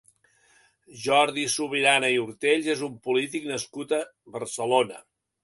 Jordi Subirana i Ortells és un polític nascut a Barcelona.